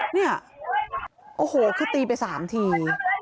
เนี่ยโอ้โหคือตีไป๓ที